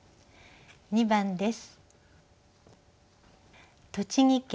２番です。